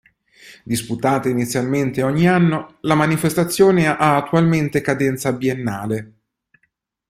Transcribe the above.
Disputata inizialmente ogni anno, la manifestazione ha attualmente cadenza biennale.